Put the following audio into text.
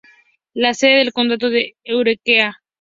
La sede del condado es Eureka.